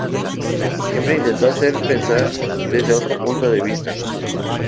Siempre intentó hacer pensar desde otro punto de vista.